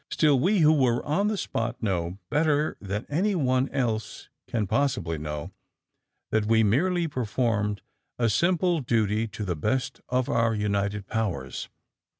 *^ Still we who were on the spot know, better than anyone else can possibly know, that we merely performed a simple duty to the 154 THE SUBMAEINE BOYS Ibest of our Tinited powers.